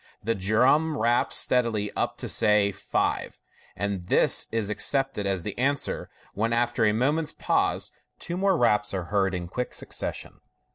The drum raps steadily up to (say) five, and this is accepted as the answer, when, after a moment's pause, two more raps are heard in quick succession.